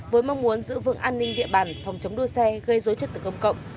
với mong muốn giữ vững an ninh địa bàn phòng chống đua xe gây dối trật tự công cộng